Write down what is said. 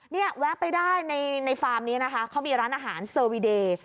แวะไปได้ในฟาร์มนี้นะคะเขามีร้านอาหารเซอร์วีเดย์